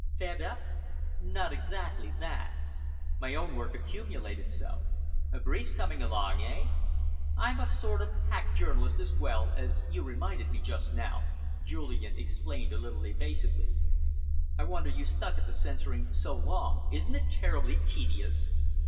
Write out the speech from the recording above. "Fed up?" "Not exactly that. My own work accumulated so." "Briefs coming along, eh?" "I'm a sort of hack journalist as well, as you reminded me just now," Julian explained a little evasively. "I wonder you stuck at the censoring so long. Isn't it terribly tedious?"